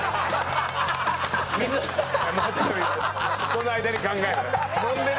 この間に考える。